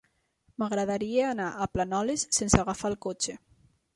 M'agradaria anar a Planoles sense agafar el cotxe.